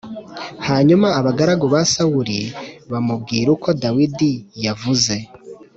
Hanyuma abagaragu ba Sawuli bamubwira uko Dawidi yavuze.